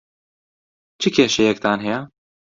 چ کێشەیەکتان هەیە؟